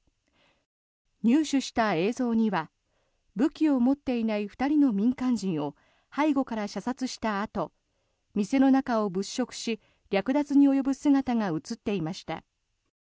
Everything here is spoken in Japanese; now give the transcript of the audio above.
入手した映像には武器を持っていない２人の民間人を背後から射殺したあと店の中を物色し略奪に及ぶ姿が映っていました。